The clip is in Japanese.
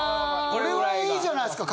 これぐらいいいじゃないですか。